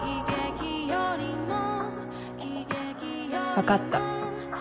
分かった。